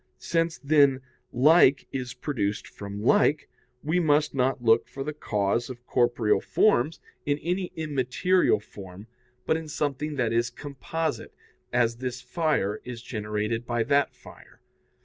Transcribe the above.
Since, then, like is produced from like, we must not look for the cause of corporeal forms in any immaterial form, but in something that is composite, as this fire is generated by that fire.